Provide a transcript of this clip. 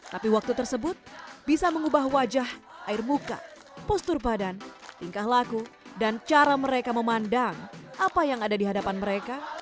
tapi waktu tersebut bisa mengubah wajah air muka postur badan tingkah laku dan cara mereka memandang apa yang ada di hadapan mereka